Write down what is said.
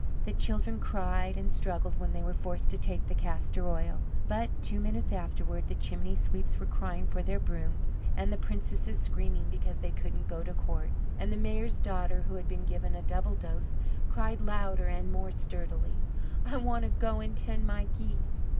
The children cried and struggled when they were forced to take the castor oil; but, two minutes afterward, the chimney sweeps were crying for their brooms, and the princesses screaming because they couldn't go to court, and the Mayor's daughter, who had been given a double dose, cried louder and more sturdily: "I want to go and tend my geese.